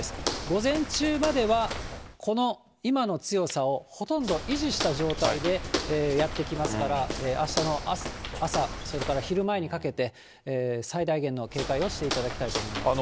午前中まではこの、今の強さをほとんど維持した状態でやって来ますから、あしたの朝、それから昼前にかけて、最大限の警戒をしていただきたいと思います。